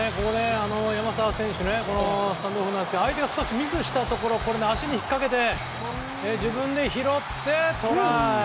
山沢選手スタンドオフなんですけど相手が少しミスしたところ足に引っ掛けて自分で拾って、トライ。